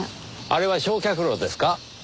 あれは焼却炉ですか？